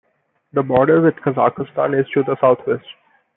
The border with Kazakhstan is to the southwest.